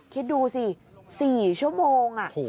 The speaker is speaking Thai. คิดดูสิ๔ชั่วโมง